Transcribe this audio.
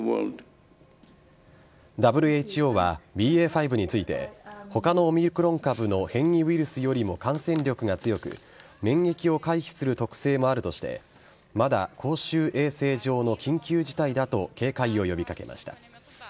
ＷＨＯはＢＡ．５について他のオミクロン株の変異ウイルスよりも感染力が強く免疫を回避する特性もあるとしてまだ公衆衛生上の緊急事態だと警戒を呼び掛けました。